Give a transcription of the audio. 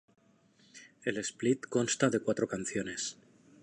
El split consta de cuatro canciones.